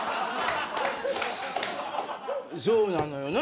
そうなのよな。